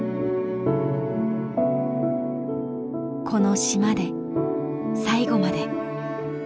この島で最期まで。